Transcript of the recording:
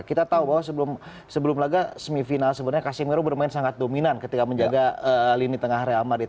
kita tahu bahwa sebelum laga semifinal sebenarnya kasemeru bermain sangat dominan ketika menjaga lini tengah real madrid